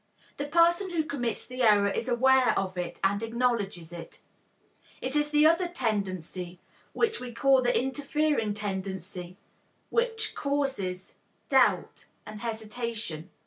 The person who commits the error is aware of it and acknowledges it. It is the other tendency, what we call the interfering tendency, which causes doubt and hesitation.